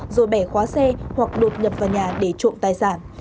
rồi bẻ khóa xe hoặc đột nhập vào nhà để trộm tài sản